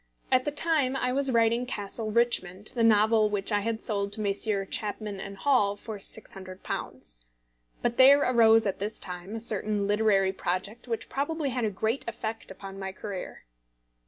At the time I was writing Castle Richmond, the novel which I had sold to Messrs. Chapman & Hall for £600. But there arose at this time a certain literary project which probably had a great effect upon my career.